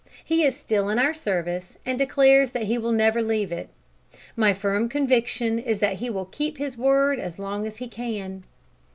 He is still in our service, and declares that he will never leave it. My firm conviction is that he will keep his word as long as he can.